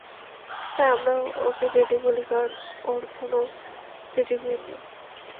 হ্যাঁ, আমরা ওকে টেডি বলি কারণ ওর কোনও টেডি বিয়ার নেই।